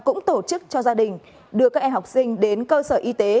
cũng tổ chức cho gia đình đưa các em học sinh đến cơ sở y tế